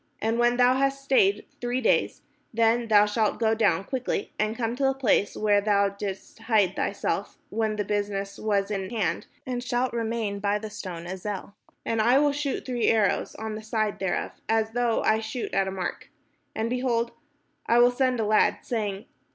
And when thou hast stayed three days, then thou shalt go down quickly, and come to the place where thou didst hide thyself when the business was in hand, and shalt remain by the stone Ezel. And I will shoot three arrows on the side thereof, as though I shot at a mark. And, behold, I will send a lad, saying.